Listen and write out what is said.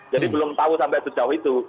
jadi belum tahu sampai sejauh itu